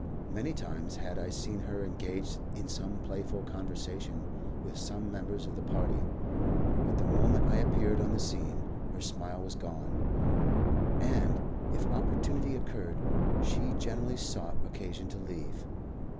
Many times had I seen her engaged in some playful conversation with some members of the party; but the moment I appeared on the scene her smile was gone, and, if opportunity occurred, she generally sought occasion to leave.